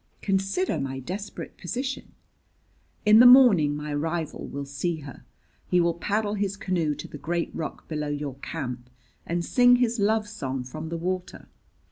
Consider my desperate position: In the morning my rival will see her; he will paddle his canoe to the great rock below your camp and sing his love song from the water.